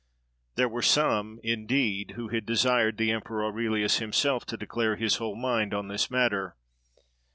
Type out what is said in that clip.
There were some, indeed, who had desired the emperor Aurelius himself to declare his whole mind on this matter.